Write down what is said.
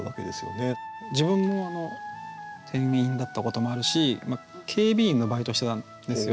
自分も店員だったこともあるし警備員のバイトしてたんですよ。